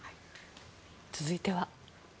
続いては。